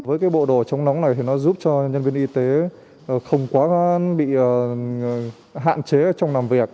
với cái bộ đồ chống nóng này thì nó giúp cho nhân viên y tế không quá bị hạn chế trong làm việc